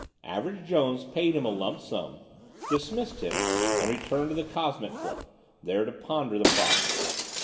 Average Jones paid him a lump sum, dismissed him and returned to the Cosmic Club, there to ponder the problem.